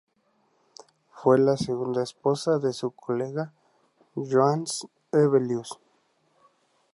Fue la segunda esposa de su colega Johannes Hevelius.